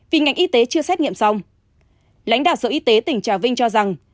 vì ngành y tế chưa xét nghiệm xong lãnh đạo sở y tế tỉnh trà vinh cho rằng